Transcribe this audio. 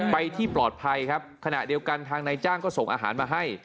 ไปที่ปลอดภัยครับขณะเดียวกันทางนายจ้างก็ส่งอาหารมาให้